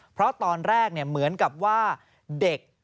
เพราะตอนแรกเหมือนกับว่าเด็ก